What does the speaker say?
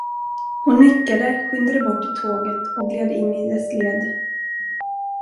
Hon nickade, skyndade bort till tåget och gled in i dess led.